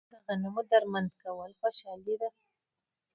د غنمو درمند کول خوشحالي ده.